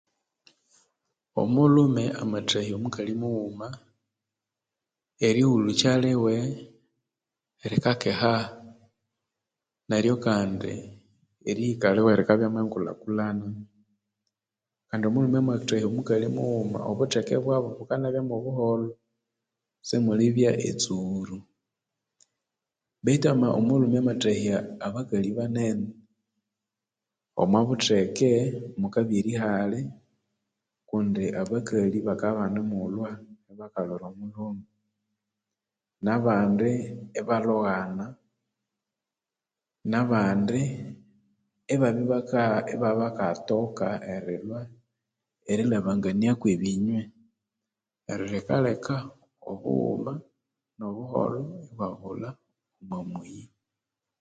Omulhume amathahya omukali mughuma erihulhukya liwe likakeha neryo kandi erihika liwe likabya mwe ngulhakulhana, kandi omulhume amathahya omukali mughuma obutheke bwiwe bukanabyamu , obuholho sibulibya mwetsughuru, baitu omulhume amathahya abakali banene, eka eyo mukabya erihali, abakali bakabya ibane mulhwa, nabandi iba lhoghana, nabandi ibabya ibabya bakatoka, erilhabangania kwebinya, neryo likaleka obuholho ibwa bulha omu muyi